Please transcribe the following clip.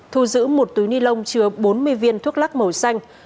thu giữ một túi ni lông chứa bốn mươi viên thuốc lắc màu xanh